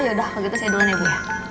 yaudah kalau gitu saya duluan ya bu